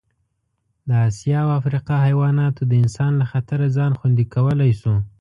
د اسیا او افریقا حیواناتو د انسان له خطره ځان خوندي کولی شو.